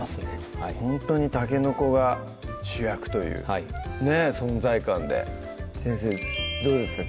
ほんとにたけのこが主役というねっ存在感で先生どうですか？